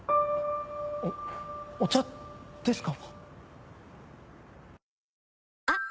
おお茶ですか？